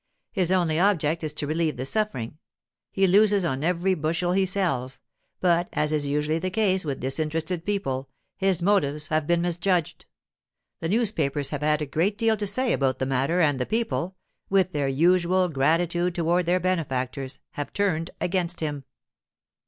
His only object is to relieve the suffering—he loses on every bushel he sells—but, as is usually the case with disinterested people, his motives have been misjudged. The newspapers have had a great deal to say about the matter, and the people, with their usual gratitude toward their benefactors, have turned against him.